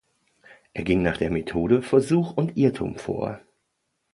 Er ging nach der Methode Versuch und Irrtum vor.